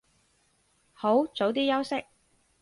好，早啲休息